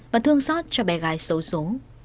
và thương xót cho bé gái xấu xố